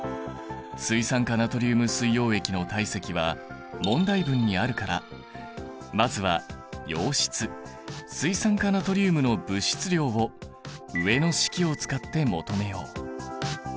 水酸化ナトリウム水溶液の体積は問題文にあるからまずは溶質水酸化ナトリウムの物質量を上の式を使って求めよう。